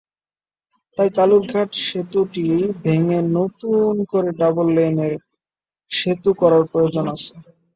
তাই কালুরঘাট সেতুটি ভেঙে নতুন করে ডাবল লাইনের সেতু করার প্রয়োজন আছে।